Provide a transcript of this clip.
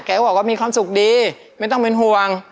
ก็บอกว่ามีความสุขดีไม่ต้องเป็นห่วง